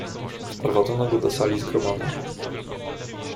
"Wprowadzono go do sali zgromadzeń."